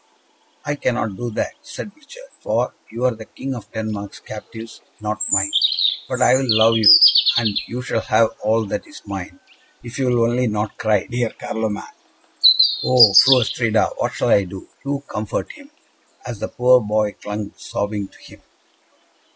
"I cannot do that," said Richard; "for you are the King of Denmark's captives, not mine; but I will love you, and you shall have all that is mine, if you will only not cry, dear Carloman. Oh, Fru Astrida, what shall I do? You comfort him " as the poor boy clung sobbing to him.